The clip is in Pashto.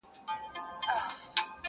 وایې اصل یمه زه مي تر سیلانو,